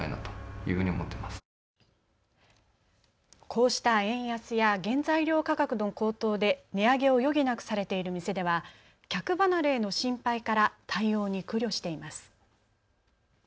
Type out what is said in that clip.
こうした円安や原材料価格の高騰で値上げを余儀なくされている店では客離れへの心配から対応に苦慮しています。